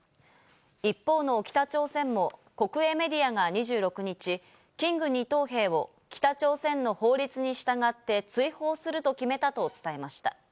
一方の北朝鮮も国営メディアが２６日、キング２等兵を北朝鮮の法律に従って追放すると決めたと伝えました。